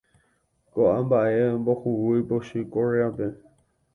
Koʼã mbaʼe ombohuguypochy Correape.